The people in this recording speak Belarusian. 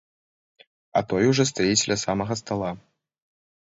А той ужо стаіць ля самага стала.